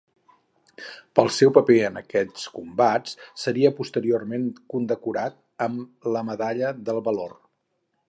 Pel seu paper en aquests combats seria posteriorment condecorat amb la Medalla del Valor.